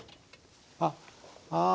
あっああ